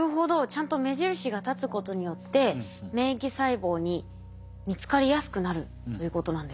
ちゃんと目印が立つことによって免疫細胞に見つかりやすくなるということなんですね。